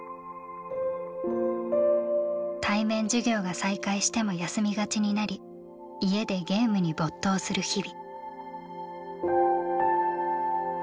対面授業が再開しても休みがちになり家でゲームに没頭する日々。